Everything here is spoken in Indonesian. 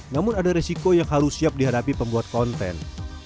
namun ada resiko yang harus siap dihadapi pembuat konten